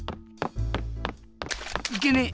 いけねえ！